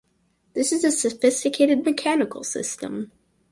This is a sophisticated mechanical system!